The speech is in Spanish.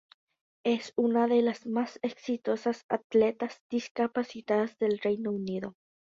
Es una de las más exitosas atletas discapacitadas del Reino Unido.